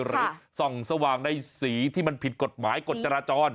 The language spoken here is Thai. หรือส่องสว่างในสีที่มันผิดกฎหมายกฎจราจร